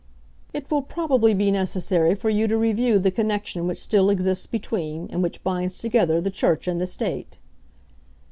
"It will probably be necessary for you to review the connection which still exists between, and which binds together, the Church and the State."